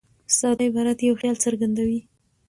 ساده عبارت یو خیال څرګندوي.